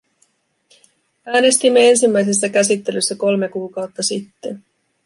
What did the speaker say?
Äänestimme ensimmäisessä käsittelyssä kolme kuukautta sitten.